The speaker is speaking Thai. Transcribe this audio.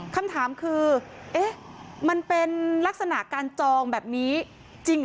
คำถามคือเอ๊ะมันเป็นลักษณะการจองแบบนี้จริงเหรอ